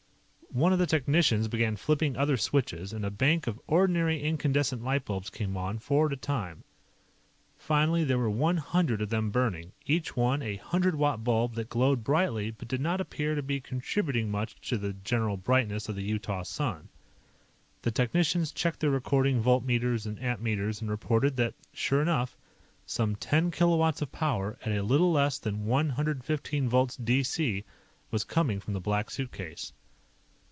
One of the technicians began flipping other switches, and a bank of ordinary incandescent light bulbs came on, four at a time. Finally there were one hundred of them burning, each one a hundred watt bulb that glowed brightly but did not appear to be contributing much to the general brightness of the Utah sun. The technicians checked their recording voltmeters and ammeters and reported that, sure enough, some ten kilowatts of power at a little less than one hundred fifteen volts D.C. was coming from the Black Suitcase.